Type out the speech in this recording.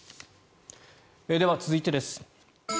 では、続いてです。